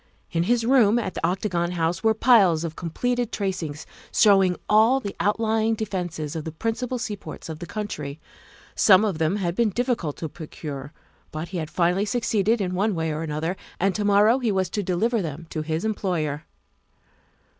In his room at the Octagon House were piles of completed tracings showing all the outlying defences of the principal seaports of the country. Some of them had been difficult to procure, but he had finally suc ceeded in one way or another, and to morrow he was to deliver them to his employer.